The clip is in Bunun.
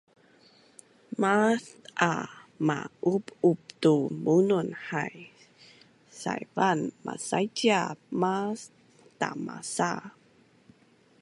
Maaz a ma-ub-ub tu bunun hai saivan masaicia mas tamasaz